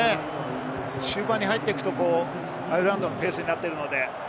終盤に入っていくとアイルランドのペースになっているので。